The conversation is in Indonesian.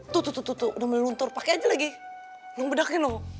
tuh tuh tuh tuh udah meluntur pakai lagi